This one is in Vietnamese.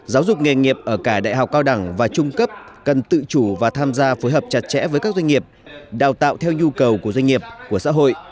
giáo dục nghề nghiệp ở cả đại học cao đẳng và trung cấp cần tự chủ và tham gia phối hợp chặt chẽ với các doanh nghiệp đào tạo theo nhu cầu của doanh nghiệp của xã hội